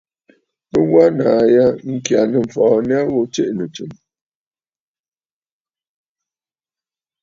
Bɨ wa nàà ya ŋkyà nɨ̂mfɔɔ nya ghu tsiʼì nɨ̀tsɨ̀mə̀.